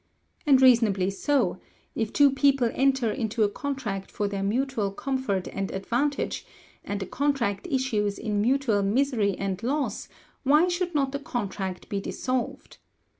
And reasonably so; if two people enter into a contract for their mutual comfort and advantage, and the contract issues in mutual misery and loss, why should not the contract be dissolved?